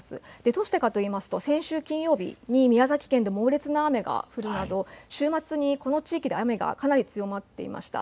どうしてかといいますと先週金曜日に宮崎県で猛烈な雨が降るなど週末にこの地域でかなり雨が強まっていました。